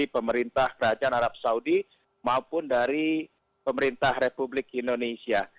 pemerintah kerajaan arab saudi maupun dari pemerintah republik indonesia